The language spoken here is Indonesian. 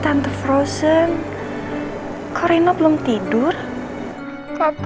aku gak bisa ketemu mama lagi